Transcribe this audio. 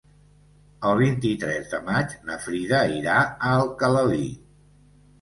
El vint-i-tres de maig na Frida irà a Alcalalí.